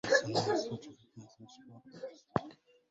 اللسان هو أسرع جزء يتماثل للشفاء في جسمك.